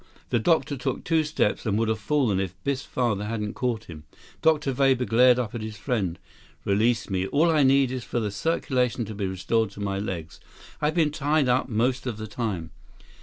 The doctor took two steps, and would have fallen if Biff's father hadn't caught him. Dr. Weber glared up at his friend. "Release me. All I need is for the circulation to be restored to my legs. I've been tied up most of the time."